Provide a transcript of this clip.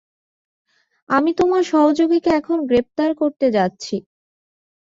আমি তোমার সহযোগীকে এখন গ্রেপ্তার করতে যাচ্ছি।